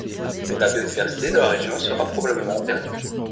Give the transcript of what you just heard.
La biodiversité de la région sera probablement perdue.